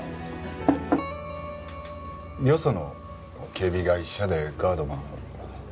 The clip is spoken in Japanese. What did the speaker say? よその警備会社でガードマンを。